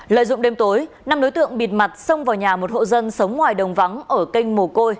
lợi dụng đêm tối năm đối tượng bịt mặt xông vào nhà một hộ dân sống ngoài đồng vắng ở canh mồ côi